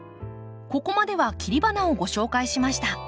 ここまでは切り花をご紹介しました。